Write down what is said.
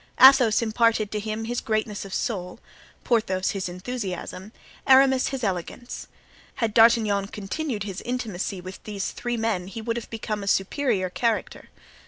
Athos imparted to him his greatness of soul, Porthos his enthusiasm, Aramis his elegance. Had D'Artagnan continued his intimacy with these three men he would have become a superior character.